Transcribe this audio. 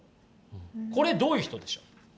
これどういう人でしょう？